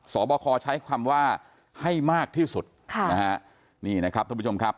สอบคอใช้คำว่าให้มากที่สุดค่ะนะฮะนี่นะครับท่านผู้ชมครับ